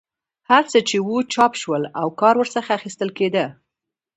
هر څه چې وو چاپ شول او کار ورڅخه اخیستل کېدی.